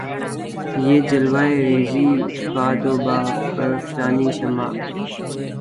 بہ جلوہ ریـزئ باد و بہ پرفشانیِ شمع